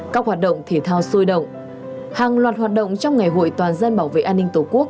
các hoạt động thể thao sôi động hàng loạt hoạt động trong ngày hội toàn dân bảo vệ an ninh tổ quốc